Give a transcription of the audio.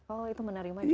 oh itu menerima ya